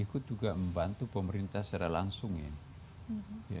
ikut juga membantu pemerintah secara langsung ya